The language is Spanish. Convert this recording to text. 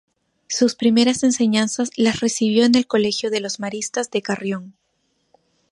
Sus primeras enseñanzas las recibió en el colegio de los Maristas de Carrión.